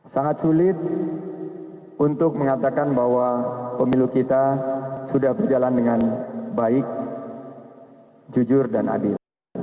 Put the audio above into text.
sangat sulit untuk mengatakan bahwa pemilu kita sudah berjalan dengan baik jujur dan adil